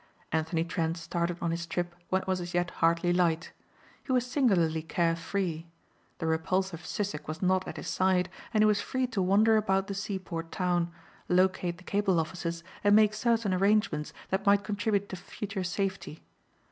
Anthony Trent started on his trip when it was as yet hardly light. He was singularly carefree. The repulsive Sissek was not at his side and he was free to wander about the seaport town, locate the cable offices and make certain arrangements that might contribute to future safety.